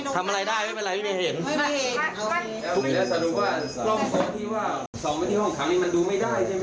อยู่ประมาณนี้